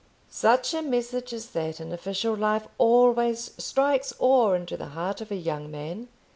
Such a message as that in official life always strikes awe into the heart of a young man.